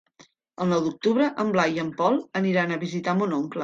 El nou d'octubre en Blai i en Pol aniran a visitar mon oncle.